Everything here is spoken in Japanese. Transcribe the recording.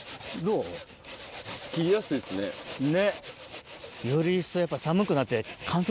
ねっ。